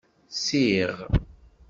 Siɣ.